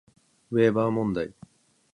ウェーバー問題